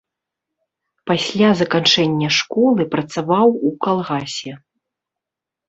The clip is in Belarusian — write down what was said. Пасля заканчэння школы працаваў у калгасе.